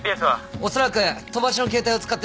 おそらく飛ばしの携帯を使ってるんでしょう。